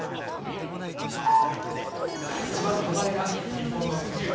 一番手前が日本の辻内。